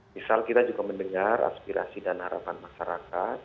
misal kita juga mendengar aspirasi dan harapan masyarakat